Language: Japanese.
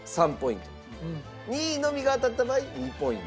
２位のみが当たった場合２ポイント。